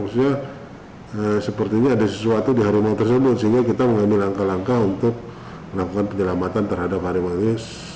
sepertinya ada sesuatu di harimau tersebut sehingga kita mengambil langkah langkah untuk melakukan penyelamatan terhadap harimau ini